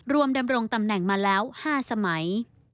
ดำรงตำแหน่งมาแล้ว๕สมัย